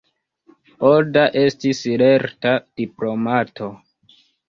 Oda estis lerta diplomato.